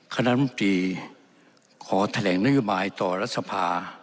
คณะรุ่นปรีขอแถลงนโยบายต่อรัศพา